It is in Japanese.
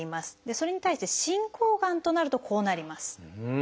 それに対して進行がんとなるとこうなります。